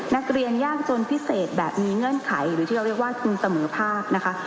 นักเรียนยากจนพิเศษแบบมีเงื่อนไขหรือที่เขาเรียกว่าทุนเสมอภาคนะคะ